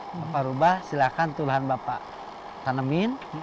bapak rubah silakan tulahan bapak tanemin